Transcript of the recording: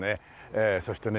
ええそしてね